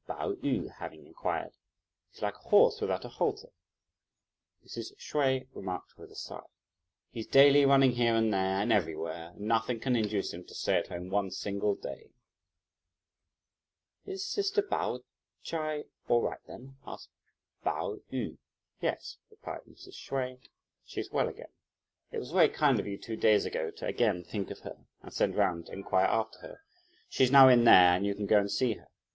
Pao yü having inquired: "He's like a horse without a halter," Mrs. Hsüeh remarked with a sigh; "he's daily running here and there and everywhere, and nothing can induce him to stay at home one single day." "Is sister (Pao Ch'ai) all right again?" asked Pao yü. "Yes," replied Mrs. Hsüeh, "she's well again. It was very kind of you two days ago to again think of her, and send round to inquire after her. She's now in there, and you can go and see her.